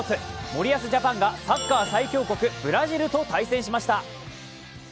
森保ジャパンがサッカー最強国・ブラジルと対戦しました。